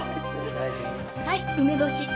はい梅干し。